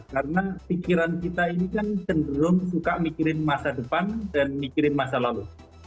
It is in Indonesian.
karena pikiran kita ini kan cenderung suka mikirin masa depan dan mikirin masa lalu